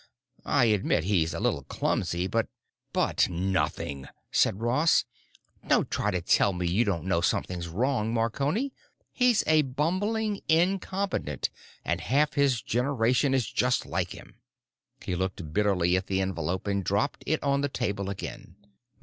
I admit he's a little clumsy, but——" "But nothing," said Ross. "Don't try to tell me you don't know something's wrong, Marconi! He's a bumbling incompetent, and half his generation is just like him." He looked bitterly at the envelope and dropped it on the table again.